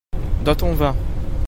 dans ton vin.